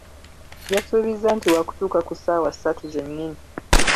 Yasuubiza nti waakutuuka ku ssaawa ssatu ze nnyini.